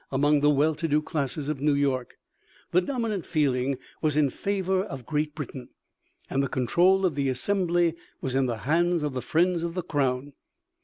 Among the well to do classes of New York, the dominant feeling was in favor of Great Britain, and the control of the Assembly was in the hands of the friends of the Crown.